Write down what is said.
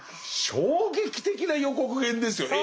衝撃的な予告編ですよね。